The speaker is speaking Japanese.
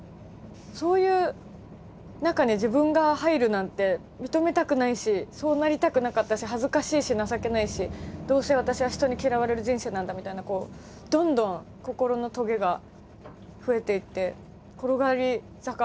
そういう中に自分が入るなんて認めたくないしそうなりたくなかったし恥ずかしいし情けないしどうせ私は人に嫌われる人生なんだみたいなどんどん心のトゲが増えていって転がり坂みたいに。